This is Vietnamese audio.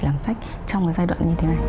làm sách trong cái giai đoạn như thế này